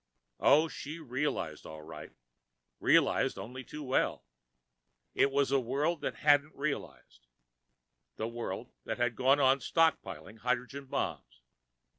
Oh, she realized, all right, realized only too well. It was the world that hadn't realized. The world that had gone on stockpiling hydrogen bombs.